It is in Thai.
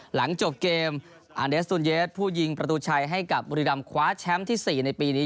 หลังจบเกมอันเดสตูนเยสผู้ยิงประตูชัยให้กับบุรีรำคว้าแชมป์ที่๔ในปีนี้